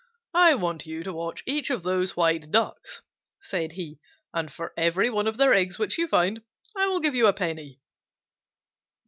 "I want you to watch each of those white Ducks," said he, "and for every one of their eggs which you find I will give you a penny."